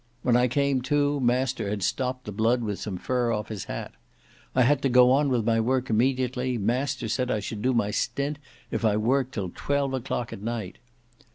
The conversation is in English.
When I came to, master had stopped the blood with some fur off his hat. I had to go on with my work immediately; master said I should do my stint if I worked till twelve o'clock at night.